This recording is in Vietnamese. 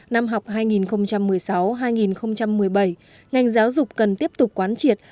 năm học hai nghìn một mươi sáu hai nghìn một mươi bảy ngành giáo dục cần tiếp tục quán triệt